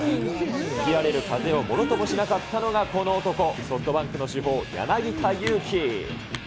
吹き荒れる風をものともしなかったのがこの男、ソフトバンクの主砲、柳田悠岐。